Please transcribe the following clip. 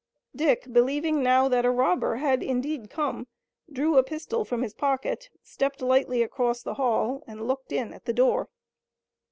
Dick, believing now that a robber had indeed come, drew a pistol from his pocket, stepped lightly across the hall and looked in at the door.